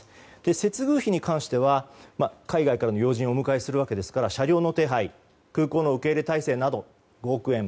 接遇費に関しては海外からの要人をお迎えするわけですから車両の手配空港の受け入れ態勢など５億円。